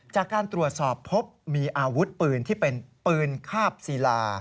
จากการตรวจสอบพบมีอาวุธปืนที่เป็นปืนคาบศิลา